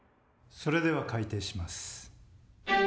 それでは開廷します。